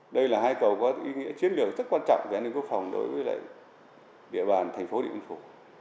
đây là hai cầu có ý nghĩa chiến lược rất quan trọng về an ninh quốc phòng đối với địa bàn thành phố điện biên phủ